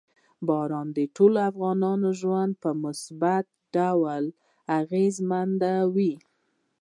باران د ټولو افغانانو ژوند په مثبت ډول اغېزمنوي.